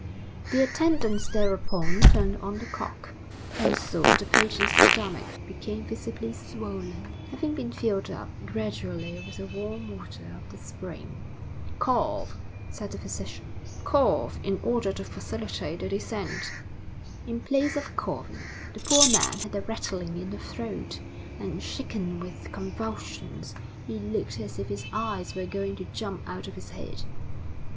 The attendant thereupon turned on the cock, and soon the patient's stomach became visibly swollen, having been filled up gradually with the warm water of the spring. "Cough," said the physician, "cough, in order to facilitate the descent." In place of coughing, the poor man had a rattling in the throat, and shaken with convulsions, he looked as if his eyes were going to jump out of his head.